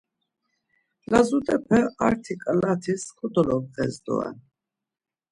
Lazut̆epe arti ǩalatis kodolobğes doren.